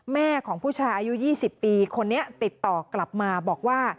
แม่ของผู้ชายอายุ๒๐ปีคนนี้ติดต่อกลับมาบอกว่า